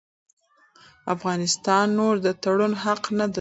افغانستان نور د تړون حق نه درلود.